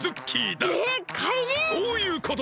そういうことだ！